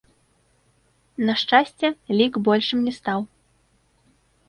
На шчасце, лік большым не стаў.